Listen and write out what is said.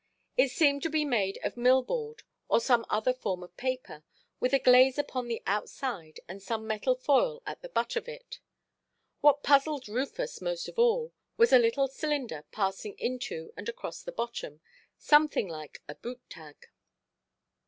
It seemed to be made of mill–board, or some other form of paper, with a glaze upon the outside and some metal foil at the butt of it. What puzzled Rufus most of all was a little cylinder passing into and across the bottom, something like a boot–tag.